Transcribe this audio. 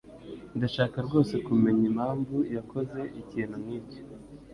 Ndashaka rwose kumenya impamvu yakoze ikintu nkicyo.